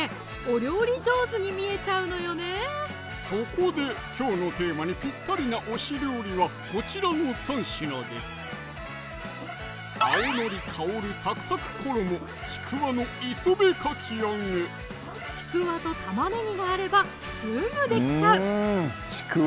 そこできょうのテーマにぴったりな推し料理はこちらの３品です青のり香るサクサク衣ちくわとたまねぎがあればすぐできちゃう！